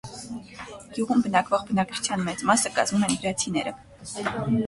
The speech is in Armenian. Գյուղում բնակվող բնակչության մեծ մասը կազմում են վրացիները։